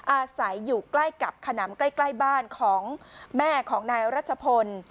อาศัยอยู่ใกล้กับขนำใกล้บ้านของแม่ของนายรัชพล